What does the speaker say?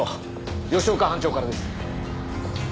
吉岡班長からです。